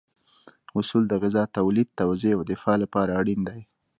اصول د غذا تولید، توزیع او دفاع لپاره اړین دي.